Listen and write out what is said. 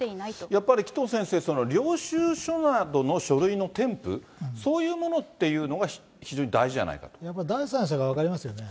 やっぱり紀藤先生、領収書などの書類の添付、そういうものっていうのが、非常に大事やっぱり第三者が分かりますよね。